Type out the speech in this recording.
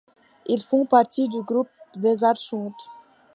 Ils font partie du groupe des archontes.